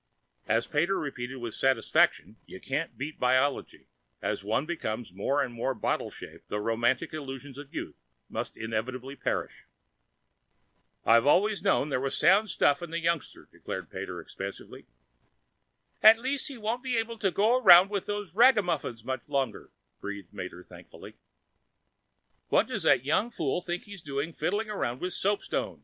As Pater repeated with satisfaction you can't beat Biology; as one becomes more and more bottle shaped, the romantic illusions of youth must inevitably perish. "I always knew there was sound stuff in the youngster," declared Pater expansively. "At least he won't be able to go around with those ragamuffins much longer," breathed Mater thankfully. "What does the young fool think he's doing, fiddling round with soapstone?"